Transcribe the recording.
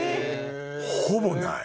ほぼない。